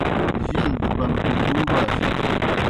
جیل دہ بَنکُکُو باشانوْ۔